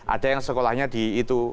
ada yang sekolahnya di itu